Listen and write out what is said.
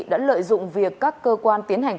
đã lợi dụng việc các cơ quan tiến hành